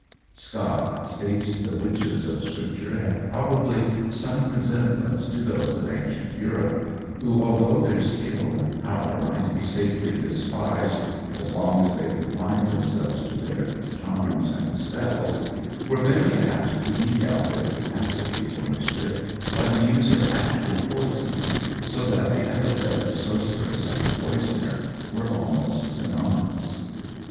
Scott states the witches of Scripture had probably some resemblance to those of ancient Europe, who, although their skill and power might be safely despised as long as they confined themselves to their charms and spells, were very apt to eke out their capacity for mischief by the use of actual poison; so that the epithet of sorceress and poisoner were almost synonymous.